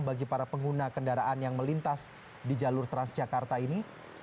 bagi para pengguna kendaraan yang melintas di jalur transjakarta ini